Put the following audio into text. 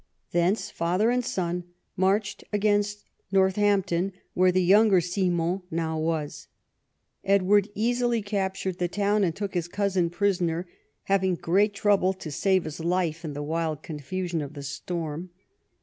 Thence father and son marched against North ampton, where the younger Simon now was. Edward easily captured the town and took his cousin prisoner, having great trouble to save his life in the wild confusion of the storm.